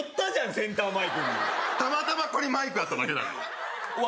センターマイクにたまたまここにマイクがあっただけだから笑